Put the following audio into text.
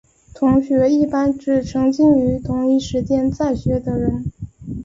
同学一般指曾经于同一时间在学的人。